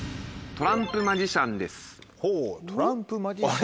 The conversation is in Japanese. トランプマジシャン。